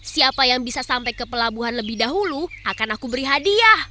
siapa yang bisa sampai ke pelabuhan lebih dahulu akan aku beri hadiah